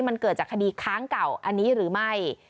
มันเกิดจากคดีค้างเก่าอันนี้หรือไม่